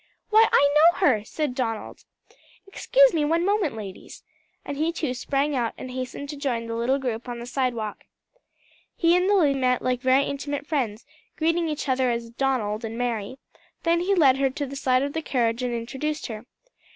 "Why, I know her!" cried Donald. "Excuse me one moment, ladies;" and he too sprang out and hastened to join the little group on the sidewalk. He and the lady met like very intimate friends, greeting each other as "Donald" and "Mary:" then he led her to the side of the carriage and introduced her.